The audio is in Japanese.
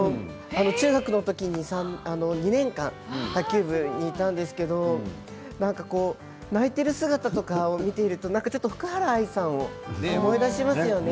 中学の時に２年間卓球部にいたんですけどなんかこう泣いている姿とかを見ているとちょっと福原愛さんを思い出しますよね。